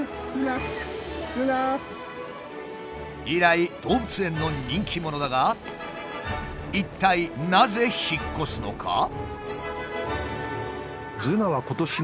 以来動物園の人気者だが一体なぜ引っ越すのか。